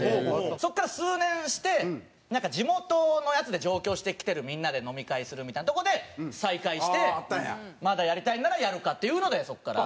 そこから数年して地元のヤツで上京してきてるみんなで飲み会するみたいなとこで再会してまだやりたいんならやるかっていうのでそこから。